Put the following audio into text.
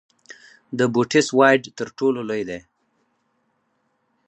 د بوټس وایډ تر ټولو لوی دی.